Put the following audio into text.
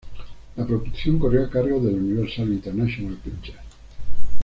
La producción corrió a cargo de Universal International Pictures.